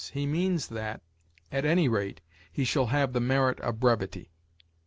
He means that, at any rate, he shall have the merit of brevity.